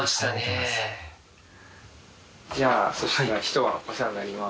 じゃあそしたら一晩お世話になります。